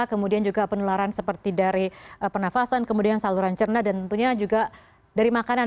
kemudian juga penularan seperti dari pernafasan kemudian saluran cerna dan tentunya juga dari makanan